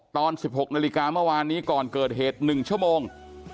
ตอน๑๖นาฬิกาเมื่อวานนี้ก่อนเกิดเหตุ๑ชั่วโมง